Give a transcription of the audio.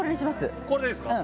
うんこれでいいですか？